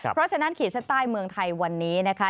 เพราะฉะนั้นขีดเส้นใต้เมืองไทยวันนี้นะคะ